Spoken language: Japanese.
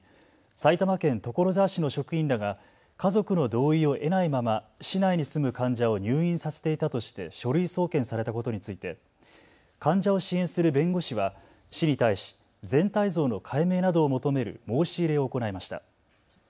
埼玉県所沢市の職員らが家族の同意を得ないまま市内に住む患者を入院させていたとして書類送検されたことについて、患者を支援する弁護士は市に対し全体像の解明などを求める申し入れを行いました。